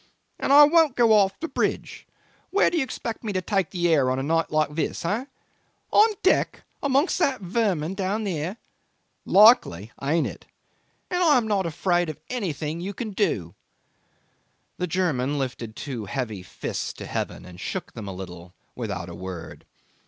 And I won't go off the bridge. Where do you expect me to take the air on a night like this, eh? On deck amongst that vermin down there? Likely ain't it! And I am not afraid of anything you can do.' The German lifted two heavy fists to heaven and shook them a little without a word.